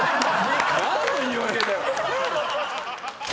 何の言い訳だよ！